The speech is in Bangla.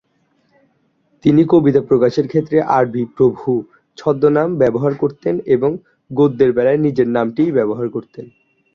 তিনি কবিতা প্রকাশের ক্ষেত্রে "আরতি প্রভু" ছদ্মনাম ব্যবহার করতেন এবং গদ্যের বেলায় নিজের নামটিই ব্যবহার করতেন।